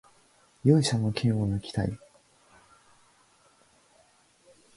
勇者の剣をぬきたい